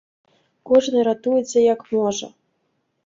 Кожны ратуецца, як можа.